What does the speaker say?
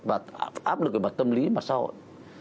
và áp lực về mặt tâm lý mặt xã hội